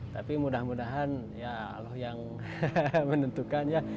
tapi mudah mudahan ya allah yang menentukan ya